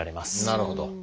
なるほど。